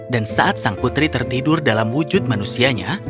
dan saat sang putri tertidur dalam wujud manusianya